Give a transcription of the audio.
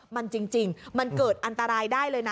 มันจริงมันเกิดอันตรายได้เลยนะ